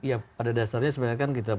ya pada dasarnya sebenarnya kan kita